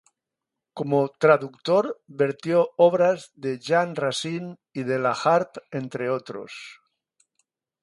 Como traductor vertió obras de Jean Racine y de La Harpe, entre otros.